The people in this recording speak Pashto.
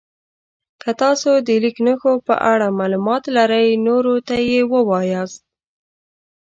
که تاسو د لیک نښو په اړه معلومات لرئ نورو ته یې ووایاست.